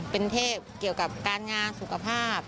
เป็นเทพเกี่ยวกับการงานสุขภาพ